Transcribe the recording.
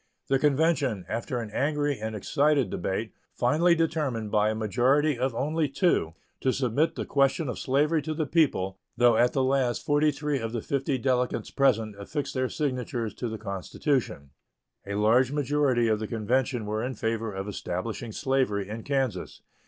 The convention, after an angry and excited debate, finally determined, by a majority of only two, to submit the question of slavery to the people, though at the last forty three of the fifty delegates present affixed their signatures to the constitution. A large majority of the convention were in favor of establishing slavery in Kansas.